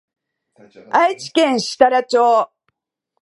愛知県設楽町